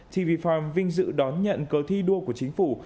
tv farm vinh dự đón nhận cơ thi đua của chính phủ